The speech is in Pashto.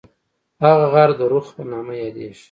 هغه غر د رُخ په نوم یادیږي.